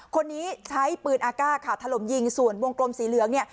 คนนี้ใช้ปืนอากาศค่ะถล่มยิงส่วนวงกลมสีเหลืองเนี่ย